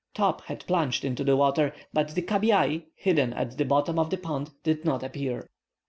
Top had plunged into the water, but the cabiai, hidden at the bottom of the pond, did not appear.